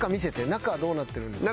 「中はどうなってるんですか？」。